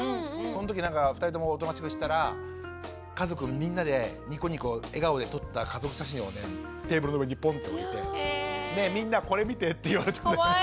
そのときなんか２人とも大人しくしてたら家族みんなでニコニコ笑顔で撮った家族写真をテーブルの上にボンって置いて「ねえみんなこれ見て」って言われたんだよね。